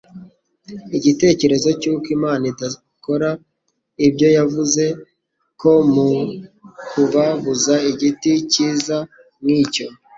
igitekerezo cy'uko Imana idakora ibyo yavuze; ko mu kubabuza igiti cyiza nk'icyo,